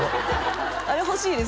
あれ欲しいです